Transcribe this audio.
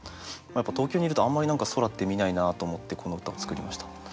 やっぱ東京にいるとあんまり空って見ないなと思ってこの歌を作りました。